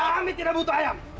kami tidak butuh ayam